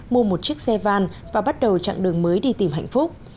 mua một chiếc xe van và bắt đầu chặng đường mới đi tìm hạnh phúc